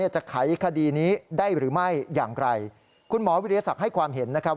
ไขคดีนี้ได้หรือไม่อย่างไรคุณหมอวิทยาศักดิ์ให้ความเห็นนะครับ